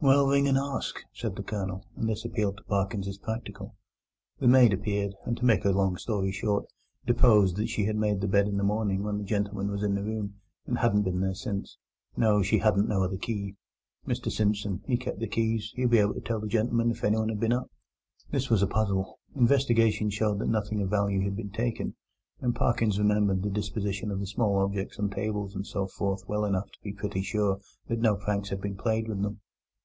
"Well, ring and ask," said the Colonel, and this appealed to Parkins as practical. The maid appeared, and, to make a long story short, deposed that she had made the bed in the morning when the gentleman was in the room, and hadn't been there since. No, she hadn't no other key. Mr Simpson he kep' the keys; he'd be able to tell the gentleman if anyone had been up. This was a puzzle. Investigation showed that nothing of value had been taken, and Parkins remembered the disposition of the small objects on tables and so forth well enough to be pretty sure that no pranks had been played with them.